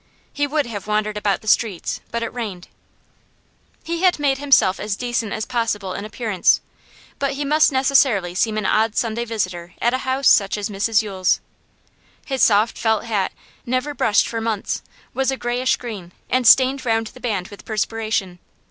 He would have wandered about the streets, but it rained. He had made himself as decent as possible in appearance, but he must necessarily seem an odd Sunday visitor at a house such as Mrs Yule's. His soft felt hat, never brushed for months, was a greyish green, and stained round the band with perspiration.